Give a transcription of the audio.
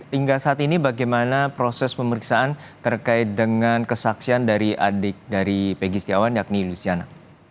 hingga saat ini bagaimana proses pemeriksaan terkait dengan kesaksian dari adik dari pegi setiawan yakni luciana